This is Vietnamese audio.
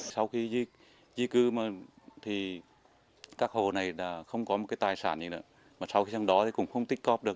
sau khi di cư các hồ này không có tài sản sau đó cũng không tích cọp được